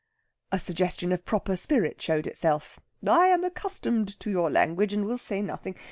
A suggestion of a proper spirit showed itself. "I am accustomed to your language, and will say nothing.